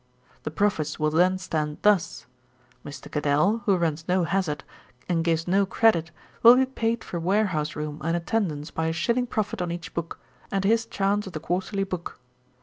'The profits will then stand thus: 'Mr. Cadell, who runs no hazard, and gives no credit, will be paid for warehouse room and attendance by a shilling profit on each book, and his chance of the quarterly book.